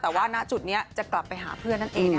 แต่ว่าณจุดนี้จะกลับไปหาเพื่อนนั่นเอง